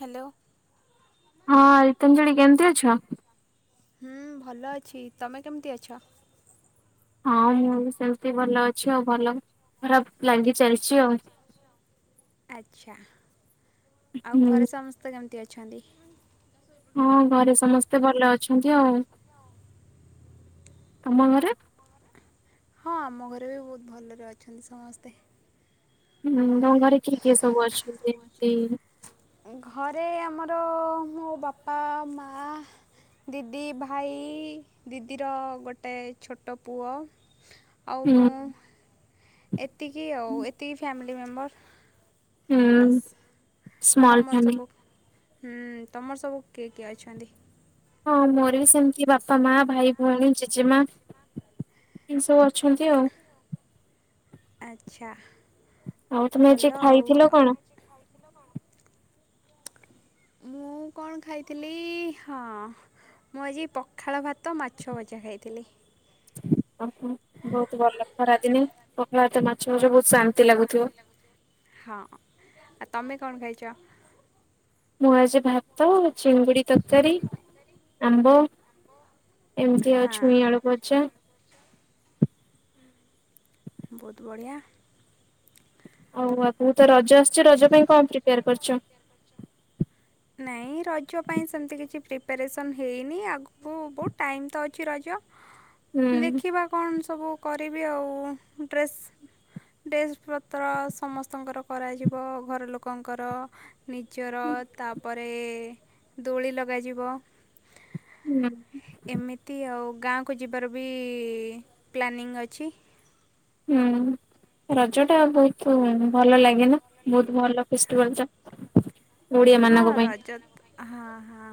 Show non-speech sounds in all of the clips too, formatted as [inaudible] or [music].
Hello. ହଁ ରିତାଞ୍ଜଳି କେମିତି ଅଛ ହୁଁ ଭଲ ଅଛି ତମେ କେମିତି ଅଛ ହଁ ମୁଁ ବି ସେମିତି ଭଲ ଅଛି ଆଉ ଭଲ ଖରାପ ଲାଗି ଚାଲିଛି ଆଉ। ଆଚ୍ଛା ଆଉ ହୁଁ ଘରେ ସମସ୍ତେ କେମିତି ଅଛନ୍ତି। ହଁ ଘରେ ସମସ୍ତେ ଭଲ ଅଛନ୍ତି ଆଉ। ତମ ଘରେ ହଁ ଆମ ଘରେ ବି ବହୁତ ଭଲରେ ଅଛନ୍ତି ସମସ୍ତେ। ହୁଁ ତମ ଘରେ କିଏ କିଏ ସବୁ ଅଛନ୍ତି ଏମିତି? ଘରେ ଆମର ମୋ ବାପା ମା। ଦିଦି ଭାଇ ଦିଦିର ଗୋଟେ ଛୋଟ ପୁଅ ଆଉ ହୁଁ ମୁଁ ଏତିକି ଆଉ ଏତିକି ଫ୍ୟାମିଲି ମେମ୍ବର। ହୁଁ ବାସ୍ ଆଉ ସ୍ମଲ ତମର ଫ୍ୟାମିଲି। ସବୁ ତମର ସବୁ କିଏ କିଏ ଅଛନ୍ତି? ହଁ ମୋର ବି ସେମିତି ବାପା ମା ଭାଇ ଭଉଣୀ ଜେଜେମା। ଏନ୍ତି ସବୁ ଅଛନ୍ତି ଆଉ। ଆଚ୍ଛା ଆଉ ତମେ ଆଜି ଭଲ ଆଉ। ଖାଇଥିଲ କଣ? [unintelligible] ମୁଁ କଣ ଖାଇଥିଲି ହଁ ମୁଁ ଆଜି ପଖାଳ ଭାତ ମାଛ ଭଜା ଖାଇଥିଲି। ଓହ ବହୁତ ଭଲ ଖରାଦିନେ ପଖାଳ ଭାତ ମାଛ ଭଜା ବହୁତ ଶାନ୍ତି ଲାଗୁଥିବ। ହଁ ଆଉ ତମେ କଣ ଖାଇଛ? ମୁଁ ଖାଇଚି ଭାତ, ଚିଙ୍ଗୁଡି ତରକାରୀ, ଆମ୍ବ। ଏମିତି ଆଉ ହଁ ଛୁଇଁ ଆଳୁ ଭଜା। ବହୁତ ବଢ଼ିଆ। ଆଉ ଆଗକୁ ତ ରଜ ଆସୁଛି ରଜ ପାଇଁ କଣ ପ୍ରିପେୟାର କରିଛ? ନାଇଁ ରଜ ପାଇଁ ସେମିତି କିଛି ପ୍ରିପାରେସନ୍ ହେଇନି ଆଗକୁ ବହୁତ ଟାଇମ୍ ତ ଅଛି ରଜ। [inaudible] ଦେଖିବା କଣ ସବୁ କରିବି ଆଉ ଡ୍ରେସ୍। ଡ୍ରେସ୍ ପତ୍ର ସମସ୍ତଙ୍କର କରାଯିବ ଘର ଲୋକଙ୍କର। ନିଜର ତାପରେ ଦୋଳି ଲଗାଯିବ। ହୁଁ ଏମିତି ଆଉ ଗାଁ କୁ ଯିବାର ବି ପ୍ଲାନିଂ ଅଛି। ହୁଁ ରଜଟା ବହୁତ ଭଲ ଲାଗେ ନା ବହୁତ ଭଲ ଫେଷ୍ଟିଭାଲ ଟା। ଓଡିଆ ହଁ ମାନଙ୍କ ପାଇଁ ରଜ। ହଁ ହଁ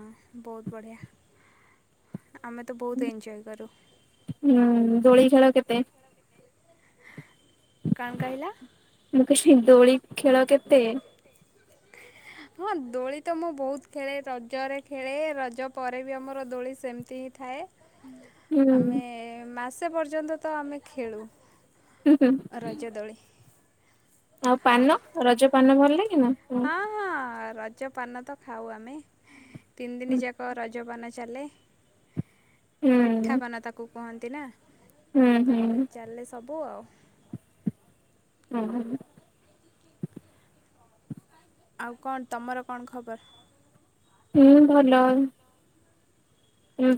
ବହୁତ ବଢ଼ିଆ ଆମେ ତ ବହୁତ ଏଞ୍ଜୟ କରୁ। ହୁଁ ଦୋଳି ଖେଳ କେତେ? କଣ କହିଲ? ମୁଁ କହିଲି ଦୋଳି ଖେଳ କେତେ? ହଁ ଦୋଳି ତ ମୁଁ ବହୁତ ଖେଳେ ରଜରେ ଖେଳେ ରଜ ପରେ ବି ଆମର ଦୋଳି ସେମିତି ହିଁ ଥାଏ ହୁଁ ଆମେ ହୁଁ ମାସେ ପର୍ଯ୍ୟନ୍ତ ତ ଆମେ ଖେଳୁ। ହୁଁ ହୁଁ ରଜ ଦୋଳି ଆଉ ହଁ ପାନ ରଜ ପାନ ଭଲ ଲାଗେ ନା। ହୁଁ ହଁ ହଁ ରଜ ପାନ ତ ଖାଉ ଆମେ ତିନି ଦିନ ଯାକ ରଜପାନ ଚାଲେ ହୁଁ ମିଠାପାନ ତାକୁ କୁହନ୍ତି ନା। ହୁଁ ତ। ହୁଁ ଚାଲେ ସବୁ ଆଉ। ହୁଁ ହୁଁଁ ଆଉ କଣ ତମର କଣ ଖବର? ହୁଁ ଭଲ।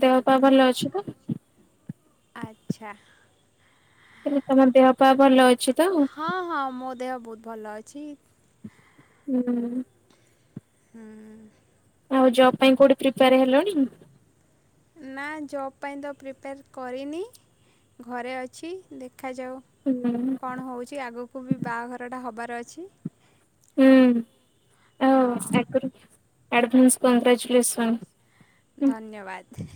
ଦେହ ପାଆ ଭଲ ଅଛି ତ? ଆଚ୍ଛା ହେଲେ ତମ ଦେହ ପା ଭଲ ଅଛି ତ? ହଁ ହଁ ମୋ ଦେହ ବହୁତ୍ ଭଲ ଅଛି। ହୁଁ। ହୁଁ। ଆଉ ଜବ୍ ପାଇଁ କୋଉଠି ପ୍ରିପେୟାର ହେଲଣି? ନା ଜବ୍ ପାଇଁ ତ ପ୍ରିପେୟାର କରିନି ଘରେ ଅଛି ଦେଖାଯାଉ। ହୁଁ। କଣ ହଉଛି ଆଗକୁ ବି ବାଆଘରଟା ହବାର ଅଛି। ହୁଁ ଆଉ ହଁ ବର୍ଷା ଆଗୁରୁ ଆଡଭନ୍ସ କଂଙ୍ଗ୍ରାଚୁଲେସନ୍। ଧନ୍ୟବାଦ।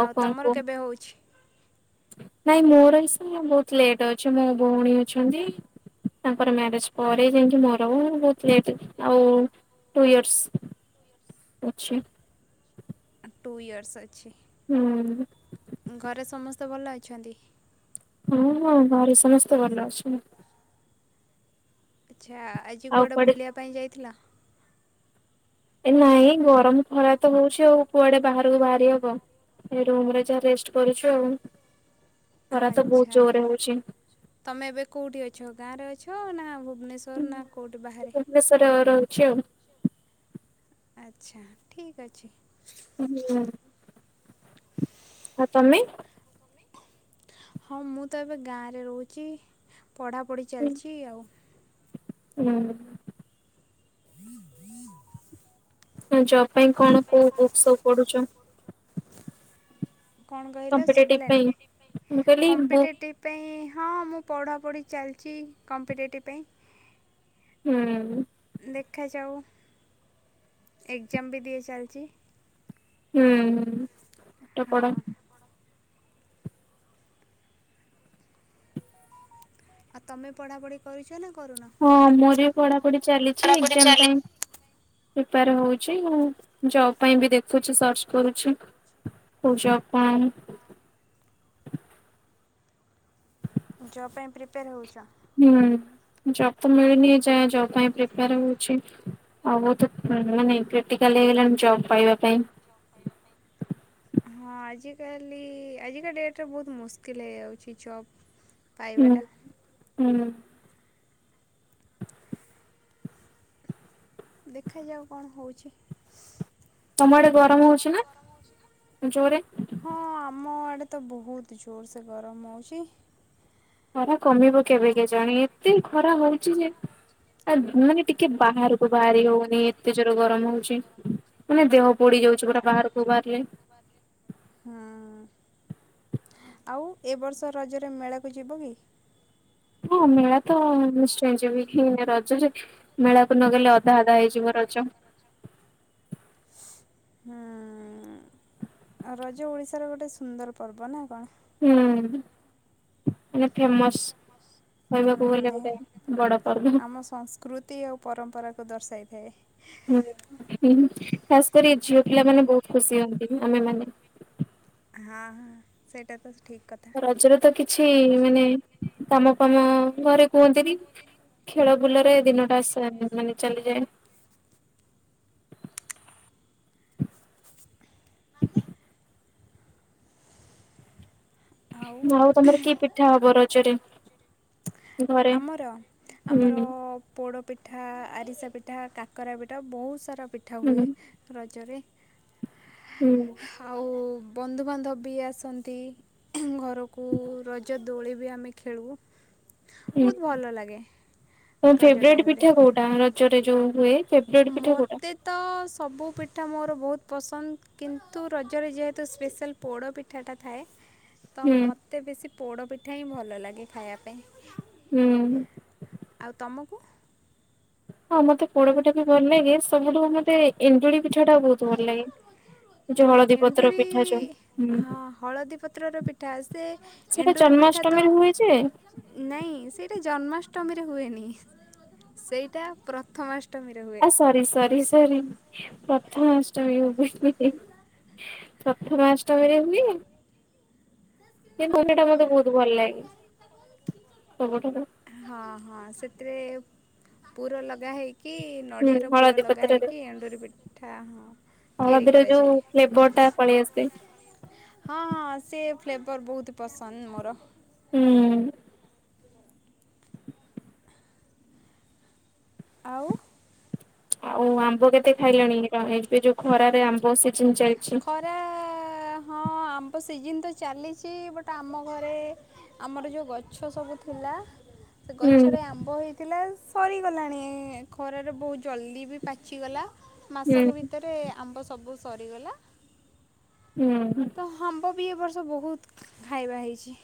ଆଉ କଣ ତମର କୁହ କେବେ ହଉଛି? ନାଇଁ ମୋର ଏଇ ସେ ବହୁତ ଲେଟ୍ ଅଛି ମୋ ଭଉଣୀ ଅଛନ୍ତି। ତାଙ୍କର ମ୍ୟାରେଜ ପରେ ଯାଇଁକି ମୋର ମୁଁ ବହୁତ ଲେଟରେ ଆଉ। ଟୁ ଇୟର୍ସ ଅଛି। ଟୁ ଇୟର୍ସ ଅଛି ହୁଁ ଘରେ ସମସ୍ତେ ଭଲ ଅଛନ୍ତି? ହଁ ହଁ ଘରେ ସମସ୍ତେ ଭଲ ଅଛନ୍ତି। ଆଚ୍ଛା ଆଜି ଆଉ କୁଆଡ଼େ କୁଆଡେ ବୁଲିବା ପାଇଁ ଯାଇଥିଲ? ଏ ନାଇଁ ଗରମ ଖରା ତ ହଉଛି ଆଉ କୁଆଡେ ବାହାରକୁ ବାହାରି ହବ। ଏ ରୁମରେ ଯାହା ରେଷ୍ଟ କରୁଛୁ ଆଉ। ଖରା ତ ବହୁତ ଆଚ୍ଛା। ଜୋରରେ ହଉଛି। ତମେ ଏବେ କୋଉଠି ଅଛ ଗାଁରେ ଅଛ ନା ଭୁବନେଶ୍ୱର ନା କୋଉଠି ବାହାରେ? ଭୁବନେଶ୍ୱର ରହୁଛି ଆଉ। ଆଚ୍ଛା ଠିକ୍ ଅଛି। ହୁଁ ଆ ତମେ? ହଁ ମୁଁ ତ ଏବେ ଗାଁରେ ରହୁଚି ପଢ଼ାପଢ଼ି ଚାଲଛି ଆଉ। ହୁଁ। [unintelligible] ଏ ଜବ୍ ପାଇଁ କଣ କୋଉ ବୁକ୍ ସବୁ ପଢୁଛ? କଣ କହିଲ କମ୍ପିଟେଟିଭ ଶୁବିଲାନି ପାଇଁ ମୁଁ କହିଲି ବୁକ୍ କମ୍ପିଟେଟିଭ୍। ପାଇଁ ହଁ ମୁଁ ପଢ଼ାପଢ଼ି ଚାଲଛି କମ୍ପିଟେଟିଭ୍ ପାଇଁ। ହୁଁ। ଦେଖାଯାଉ ଏକ୍ଜାମ ବି ଦିଏ ଚାଲଚି। ହୁଁ ପାଠ ପଢ଼। ହଁ। ଆ ତମେ ପଢାପଢି କରୁଛ ନା କରୁନ? ହଁ ମୋର ବି ପଢାପଢି ଚାଲିଛି ଏକ୍ଜାମ ପାଇଁ। ପ୍ରିପେଆରେ ହଉଛି ଆଉ ଜବ ପାଇଁ ବି ଦେଖୁଛି ସର୍ଚ୍ଚ କରୁଛି। କୋଉ ଜବ କଣ। ଜବ ପାଇଁ ପ୍ରିପେୟାର ହେଉଛ? ହୁଁ ଜବ୍ ତ ମିଳୁନି ଏଯାଏଁ ଜବ ପାଇଁ ପ୍ରିପେୟାର ହୋଉଛି। ଆଉ ବହୁତୁ ମାନେ କ୍ରିଟିକାଲ ହେଇଗଲାଣି ଜବ୍ ପାଇବା ପାଇଁ। ହଁ ଆଜିକାଲି ଆଜିକା ଡେଟ୍ରେ ବହୁତ ମୁସ୍କିଲ୍ ହେଇଯାଉଛି ଜବ୍। ହୁଁ ପାଇବାଟା। ହୁଁ। ଦେଖାଯାଉ କଣ ହୋଉଛି। ତମଆଡେ ଗରମ ହଉଛି ନା ଜୋରେ? ହଁ ଆମଆଡ଼େ ତ ବହୁତ ଜୋରସେ ଗରମ ହଉଛି। ଖରା କମିବ କେବେ କେ ଜାଣି ଏତେ ଖରା ହଉଛି ଯେ ମାନେ ଟିକେ ବାହାରୁ ତ ବାହାରି ହଉନି ଏତେ ଜୋର ଗରମ ହଉଛି ମାନେ ଦେହ ପୋଡି ଯାଉଛି ପୁରା ବାହାରକୁ ବାହାରିଲେ। ହୁଁ ଆଉ ଏ ବର୍ଷ ରଜରେ ମେଳାକୁ ଯିବ କି। ହଁ ମେଳା ତ ନିଶ୍ଚୟ ଯିବି ହେଇନା ରଜରେ ମେଳାକୁ ନଗଲେ ଅଧା ଅଧା ହେଇଯିବ ରଜ। ହୁଁ। ରଜ ଓଡ଼ିଶାର ଗୋଟେ ସୁନ୍ଦର ପର୍ବ ନା କଣ। ହୁଁ ମାନେ ଫେମସ୍। ଖହିବାକୁ ଗଲେ ଗୋଟେ ବଡ ପର୍ବ। ଆମ ସଂସ୍କୃତି ଆଉ ପରମ୍ପରାକୁ ଦର୍ଶାଇଥାଏ। ହୁଁ ଖାସ କରି ଝିଅ ପିଲା ମାନେ ବହୁତ୍ ଖୁସି ହୁଅନ୍ତି ଆମେମାନେ। ହଁ ହଁ ସେଇଟା ତ ଠିକ୍ କଥା। ରଜରେ ତ କିଛି ମାନେ କାମ ଫାମ ଘରେ କୁହନ୍ତିନି। ଖେଳ ବୁଲରେ ଦିନଟା ସା ମାନେ ଚାଲିଯାଏ। ଆଉ ତମର କି ପିଠା ହବ ରଜରେ। ଘରେ ଆମର ଆମର ହୁଁ। ପୋଡ଼ପିଠା ଆରିସା ପିଠା କାକରା ପିଠା ବହୁତ୍ ସାରା ପିଠା ହୁଁ ହୁଏ। ରଜରେ ହୁଁ ଆଉ ବନ୍ଧୁବାନ୍ଧବ ବି ଆସନ୍ତି ଘରକୁ ରଜ ଦୋଳି ବି ଆମେ ଖେଳୁ। ହୁଁ ବହୁତ୍ ଭଲ ଲାଗେ। ତମ ରଜ ଫେବରାଇଟ୍ ଟାଇମ୍ରେ ପିଠା କୋଉଟା ରଜରେ ଯୋଉ ହୁଏ ଫେବରାଇଟି ପିଠା କୋଉଟା? ମୋତେ ତ ସବୁ ପିଠା ମୋର ବହୁତ୍ ପସନ୍ଦ କିନ୍ତୁ ରଜରେ ଯେହେତୁ ସ୍ପେଶାଲ୍ ପୋଡ଼ପିଠାଟା ଥାଏ ତ ହୁଁ ମୋତେ ବେଶୀ ପୋଡ଼ପିଠା ହିଁ ଭଲ ଲାଗେ ଖାଇବା ପାଇଁ। ହୁଁ। ଆଉ ତମକୁ? ହଁ ମତେ ପୋଡପିଠା ବି ଭଲ ଲାଗେ ସବୁଠୁ ମତେ ଏଣ୍ଡୁରି ପିଠା ଟା ବହୁତ ଭଲ ଲାଗେ। ଯୋଉ ହଁ ହଳଦୀ ପତ୍ର ଏଣ୍ଡୁରି ପିଠା ଯୋଉ ହୁଁ ହଁ ହଳଦୀ ପତ୍ରର ପିଠା ସେ ସେଇଟା ଏଣ୍ଡୁରି ପିଠା ତ ଜନ୍ମାଷ୍ଟମୀ ରେ ହୁଏ ଯେ ନାଇଁ ସେଇଟା ଜନ୍ମାଷ୍ଟମୀରେ ହୁଏନି ସେଇଟା ପ୍ରଥମାଷ୍ଟ ଆ ସରି ସରି ସରି ପ୍ରଥମା ଅଷ୍ଟମୀ ହୁଏ। ପ୍ରଥମାଷ୍ଟମୀରେ ହୁଏ। ସେ ପିଠାଟା ମତେ ବହୁତ୍ ଭଲ ଲାଗେ ସବୁଠାରୁ। ହଁ ହଁ ସେଥିରେ ପୁର ଲଗା ହେଇକି ହୁଁ ନଡ଼ିଆର ପୁର ହଳଦୀ ଲଗା ପତ୍ରରେ ହେଇକି ଏଣ୍ଡୁରି ପିଠା ହଁ। ତିଆରି ହଳଦୀର କରାଯାଏ ଯୋଉ ଫ୍ଲେଭର ଟା ପଳେଇ ଆସିଥାଏ। ହଁ ହଁ ସେ ଫ୍ଲେଭର ବହୁତ ପସନ୍ଦ ମୋର। ହୁଁ। ଆଉ। ଆଉ ଆମ୍ବ କେତେ ଖାଇଲଣି କଣ ଏବେ ଯୋଉ ଖରାରେ ଆମ୍ବ ସିଜିନ୍‌ ଯାଇଛି। ଖରା ହଁ ଆମ୍ବ ସିଜିନ୍ ତ ଚାଲିଛି ବଟ ଆମ ଘରେ ଆମର ଯୋଉ ଗଛ ସବୁ ଥିଲା ସେ ହୁଁ ଗଛରେ ଆମ୍ବ ହେଇଥିଲା ସରିଗଲାଣି ଖରାରେ ବହୁତ୍ ଜଲ୍ଦି ବି ପାଚିଗଲା। ହୁଁ ମାସକ ଭିତରେ ଆମ୍ବ ସବୁ ସରିଗଲା। ହୁଁ ହୁଁ। ତ ଆମ୍ବ ବି ଏବ ବର୍ଷ ବହୁତ୍ ଖାଇବା ହେଇଛି।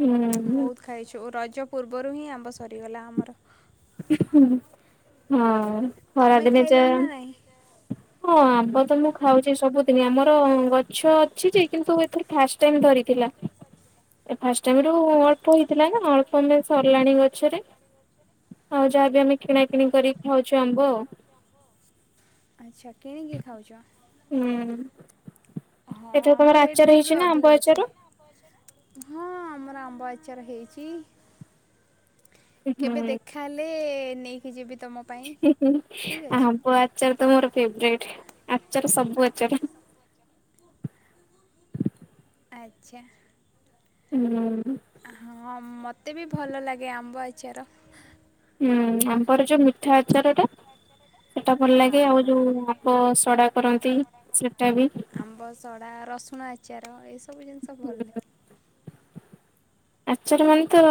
ହୁଁ ବହୁତ ଖାଇଛୁ ରଜ ପୂର୍ବରୁ ହିଁ ଆମ୍ବ ସରିଗଲା ଆମର। ହଁ ତମେ ଖରାଦିନଚ। ଖାଇଲଣି ନା ନାହିଁ ହଁ ଆମ୍ବ ତ ମୁଁ ଖାଉଛି ସବୁଦିନ ଆମର ଗଛ ଅଛି ଯେ କିନ୍ତୁ ଏଥିରେ। ଫାଷ୍ଟ ଟାଇମ୍ ଧରିଥିଲା। ଏ ଫାଷ୍ଟ ଟାଇମ ରୁ ଅଳ୍ପ ହେଇଥିଲା ନା ଅଳ୍ପ ଆମେ ସରିଲାଣି ଗଛରେ। ଆଉ ଯାହାବି ଆମେ କିଣା କିିଣି କରିକି ଖାଉଛୁ ଆମ୍ବ ଆଉ। ଆଚ୍ଛା କିଣିକି ଖାଉଛ? ହୁଁ ହଁ ଏଥର ଆମ୍ବ ତମର ରେଟ୍ ଆଚାର ବି ଏବେ ହେଇଛି ନା ଆମ୍ବ ଅଧିକ ଆଚାର? ଅଛି। ହଁ ଆମର ଆମ୍ବ ଆଚାର ହେଇଛି। ହୁଁ କେବେ ଦେଖାହଲେ ନେଇକି ଯିବି ତମ ପାଇଁ ଠିକ୍ ଅଛି ଆମ୍ବ ଆଚାର ତ ମୋର ଫେବରଟ ଆଚାର ସବୁ ଆଚାର। ଆଚ୍ଛା। ହୁଁ ହଁ ମତେ ବି ଭଲ ଲାଗେ ଆମ୍ବ ଆଚାର। ହୁଁ ଆମ୍ୱର ଯୋଉ ମିଠା ଆଚାର ଟା। ସେଟା ଭଲ ହଁ ଲାଗେ ଆଉ ହଁ ଯୋଉ ଆମ୍ବ ସଡା କରନ୍ତି ସେଟା ବି। ଆମ୍ବ ସଡ଼ା ରସୁଣ ଆଚାର ଏସବୁ ଜିନିଷ ଭଲ ଲାଗେ। ଆଚାର ମାନେ ତ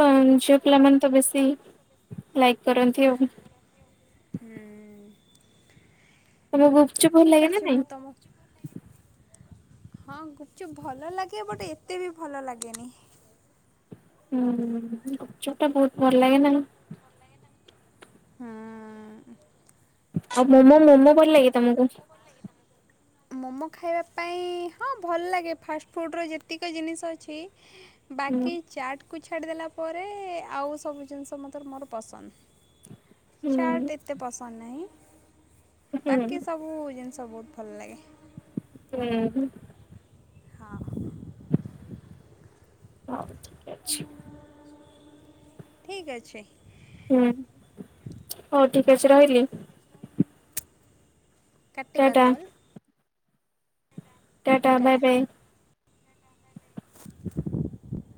ଝିଅ ପିଲାମାନେ ତ ବେଶୀ ଲାଇକ୍ କରନ୍ତି ଆଉ। ହୁ ତମକୁ ଗୁପଚୁପ୍ ଭଲ ଠିକ୍ ଲାଗେ ନା ଅଛି ନାଇଁ? ମୁଁ ତୁମକୁ ହଁ ଗୁପଚୁପ ଭଲ ଲାଗେ ବଟ ଏତେ ବି ଭଲ ଲାଗେନି। ହୁଁ ଗୁପଚୁପ ଟା ବହୁତ ଭଲ ଲାଗେ ନା। ହଁ ଆଉ ମୋମୋ ମୋମୋ ଭଲ ଲାଗେ ତମକୁ? ମୋମୋ ଖାଇବା ପାଇଁ ହଁ ଭଲ ଲାଗେ ଫାଷ୍ଟଫୁଡ଼୍ ର ଯେତିକି ଜିନିଷ ଅଛି ହୁଁ ବାକି ଚାଟ୍ କୁ ଛାଡ଼ିଦେଲା ପରେ ଆଉ ସବୁ ଜିନିଷ ମୋତର ମୋର ପସନ୍ଦ। ହୁଁ ଚାର୍ଟ ଏତେ ପସନ୍ଦ ନାହିଁ ହୁଁ ବାକି ସବୁ। ସବୁ ବହୁତ୍ ଭଲ ଲାଗେ। ହୁଁ ହଁ! ହଉ ଠିକ ଅଛି! ଠିକ ଅଛି। ହୁଁ ହଉ ଠିକ ଅଛି ରହିଲି! ଟା କାଟିବା ଟା କଲ୍। Tata bye bye. [unintelligible]